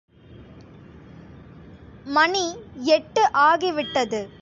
மணி எட்டு ஆகிவிட்டது.